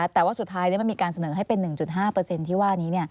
แต่ว่าสุดท้ายมันมีการเสนอให้เป็น๑๕ที่ว่านี้